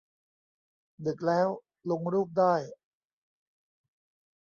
ดึกแล้ว ลงรูปได้